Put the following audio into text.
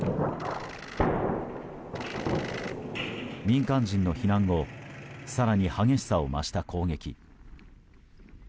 民間人の避難後更に激しさを増した攻撃。